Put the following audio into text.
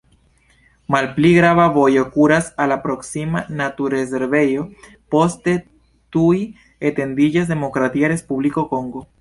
Malpli grava vojo kuras al la proksima naturrezervejo, poste tuj etendiĝas Demokratia Respubliko Kongo.